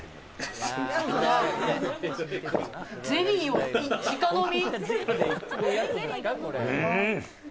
ゼリーを直飲み？